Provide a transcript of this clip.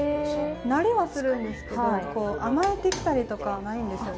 慣れはするんですけど甘えてきたりとかはないんですよね。